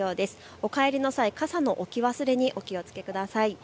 お帰りの際、傘の置き忘れにお気をつけください。